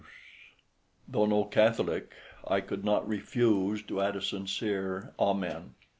Though no Catholic, I could not refuse to add a sincere Amen.